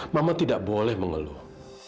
mama tidak boleh mengeluh